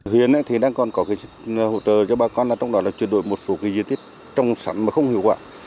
huyện đang còn có hỗ trợ cho bà con là truyền đổi một số diện tích trong sẵn mà không hiệu quả